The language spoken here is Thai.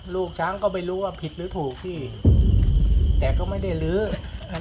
หนาที่ถ้าพิถูกก็ขออภัยด้วยก็ละกัน